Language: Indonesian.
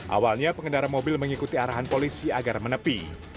awalnya pengendara mobil mengikuti arahan polisi agar menepi